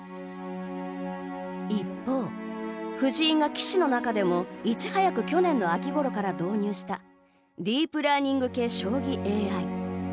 一方、藤井が棋士の中でもいち早く去年の秋ごろから導入したディープラーニング系将棋ＡＩ。